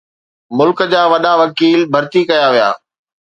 ملڪ جا وڏا وڪيل ڀرتي ڪيا ويا.